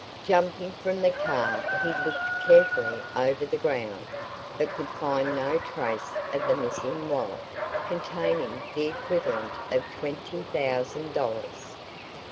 Jumping from the car he looked carefully over the ground, but could find no trace of the missing wallet, containing the equivalent of twenty thousand dollars.